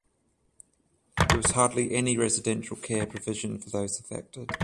There was hardly any residential care provision for those affected.